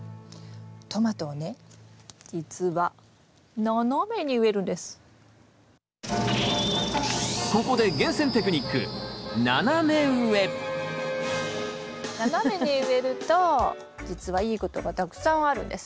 トマトをね実はここで斜めに植えると実はいいことがたくさんあるんです。